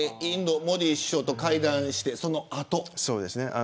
モディ首相と会談してその後。